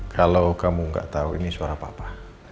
kalau kamu gak tau ini suara papa